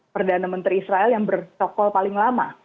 perdana menteri israel yang bertokol paling lama